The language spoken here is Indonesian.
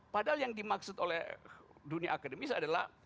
padahal yang dimaksud oleh dunia akademis adalah